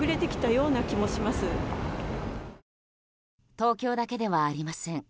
東京だけではありません。